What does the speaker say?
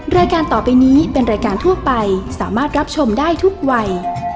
รายการต่อไปนี้เป็นรายการทั่วไปสามารถรับชมได้ทุกวัย